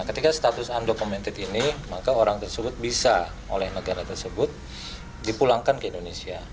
ketika status undocumented ini maka orang tersebut bisa oleh negara tersebut dipulangkan ke indonesia